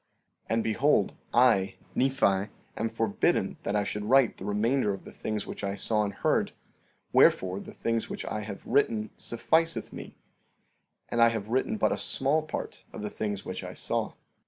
14:28 And behold, I, Nephi, am forbidden that I should write the remainder of the things which I saw and heard; wherefore the things which I have written sufficeth me; and I have written but a small part of the things which I saw.